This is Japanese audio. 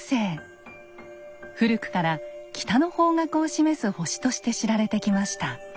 古くから北の方角を示す星として知られてきました。